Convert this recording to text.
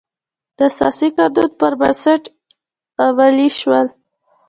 د اساسي قانون پر بنسټ عملي شول.